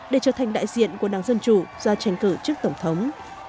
để trở thành đại diện của đảng dân chủ do tranh cử trước tổng thống